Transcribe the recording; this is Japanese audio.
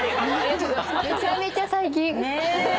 めちゃめちゃ最近。ね。